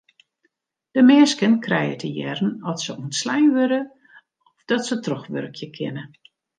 De minsken krije te hearren oft se ûntslein wurde of dat se trochwurkje kinne.